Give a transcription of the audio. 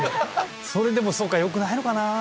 それでもそうか良くないのかな。